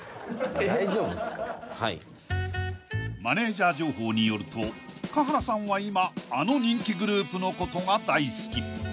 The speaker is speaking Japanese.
［マネジャー情報によると華原さんは今あの人気グループのことが大好き］